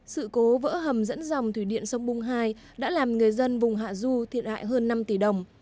sự cố vỡ hầm dẫn dòng thủy điện sông bung hai đã làm người dân vùng hạ du thiệt hại hơn năm tỷ đồng